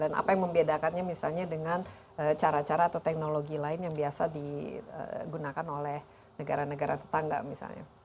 dan apa yang membedakannya misalnya dengan cara cara atau teknologi lain yang biasa digunakan oleh negara negara tetangga misalnya